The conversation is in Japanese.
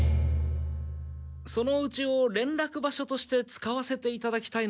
そのおうちを連絡場所として使わせていただきたいのですが。